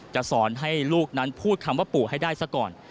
จะสอนให้ลูกนั้นพูดคำว่าปู่ให้ได้ซะก่อน